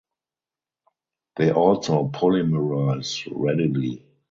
They also polymerize readily.